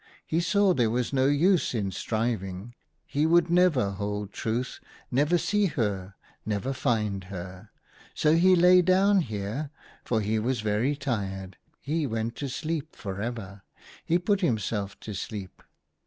He saw there was no use in striving ; he would never hold Truth, never see her, never find her. So he lay down here, for he was very tired. He went to sleep for ever. He put himself to sleep.